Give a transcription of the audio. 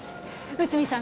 内海さん